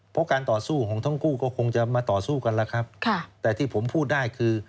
เพราะการต่อสู้ของทั้งคู่ก็คงจะมาต่อสู้กันแล้วครับค่ะแต่ที่ผมพูดได้คือ